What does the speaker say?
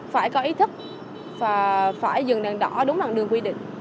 phải có ý thức và phải dừng đèn đỏ đúng làn đường quy định